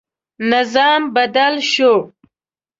نظام بدل شو.